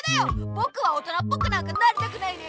ぼくは大人っぽくなんかなりたくないね！